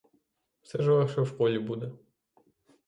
Все ж легше в школі буде.